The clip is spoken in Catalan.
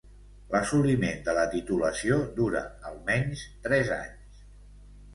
L'assoliment de la titulació dura almenys tres anys.